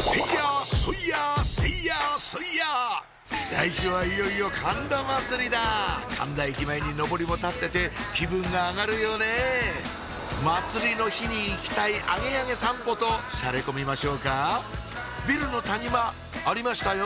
来週はいよいよ神田祭だ神田駅前にのぼりも立ってて気分が上がるよね祭りの日に行きたいアゲアゲ散歩としゃれ込みましょうかビルの谷間ありましたよ